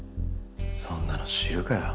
そんなの知るかよ。